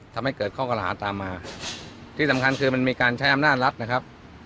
ทำให้เกิดข้อกระหาตามมาที่สำคัญคือมันมีการใช้อำนาจรัฐนะครับ